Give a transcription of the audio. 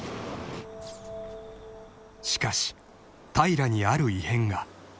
［しかし平にある異変が］